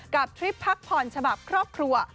ทริปพักผ่อนฉบับครอบครัว